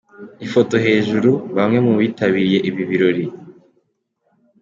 Ifoto hejuru : Bamwe mu bitabiriye ibi birori.